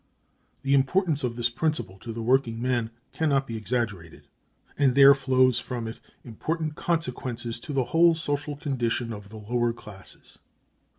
The importance of this principle to the working man can not be exaggerated, and there flows from it important consequences to the whole social condition of the lower classes.